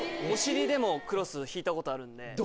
お尻でもクロス、引いたことあるんで。